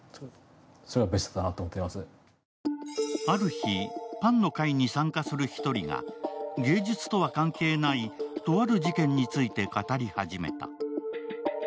ある日、パンの会に参加する一人が芸術とは関係ないとある事件について語り始めた。